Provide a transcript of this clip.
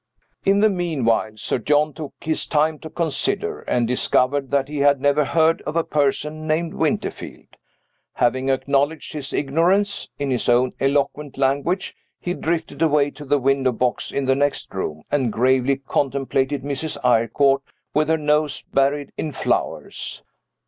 In the meanwhile, Sir John took his time to consider, and discovered that he had never heard of a person named Winterfield. Having acknowledged his ignorance, in his own eloquent language, he drifted away to the window box in the next room, and gravely contemplated Mrs. Eyrecourt, with her nose buried in flowers.